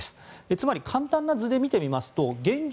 つまり、簡単な図で見ますと現状